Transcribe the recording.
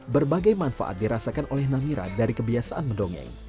berbagai manfaat dirasakan oleh namira dari kebiasaan mendongeng